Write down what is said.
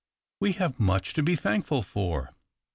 We have much to be thankful for.